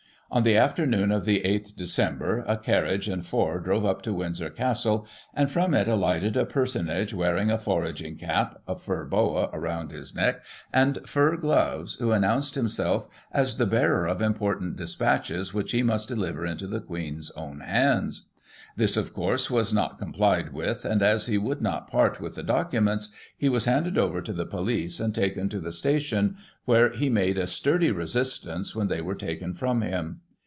On the afternoon of the 8th Dec, a carricige and four drove up to Windsor Castle, and, from it, alighted a personage wearing a foraging cap, a fur boa round his neck, and fur gloves, who announced himself as the bearer of important despatches which he must deliver into the Queen's own hands. This, of course, was not com plied with, and as he would not part with the documents, he was handed over to the police, and taken to the station, where he made a sturdy resistance when they were taken from him.